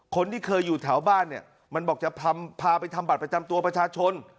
คนที่เคยอยู่แถวบ้านเนี่ยมันบอกจะพาไปทำบัตรประจำตัวประชาชน